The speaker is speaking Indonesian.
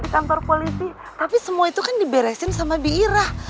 tapi semua itu kan diberesin sama bi irah